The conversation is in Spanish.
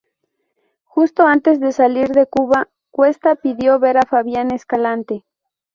Justo antes de salir de Cuba Cuesta pidió ver a Fabián Escalante.